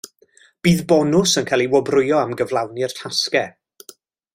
Bydd bonws yn cael ei wobrwyo am gyflawni'r tasgau.